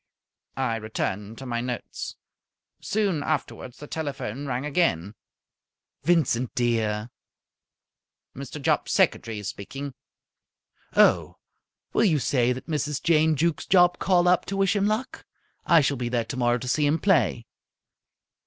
I returned to my notes. Soon afterwards the telephone rang again. "Vincent, dear?" "Mr. Jopp's secretary speaking." "Oh, will you say that Mrs. Jane Jukes Jopp called up to wish him luck? I shall be there tomorrow to see him play."